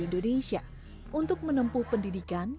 indonesia untuk menempuh pendidikan